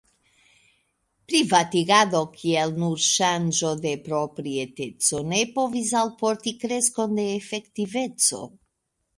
Privatigado kiel nur ŝanĝo de proprieteco ne povis alporti kreskon de efektiveco.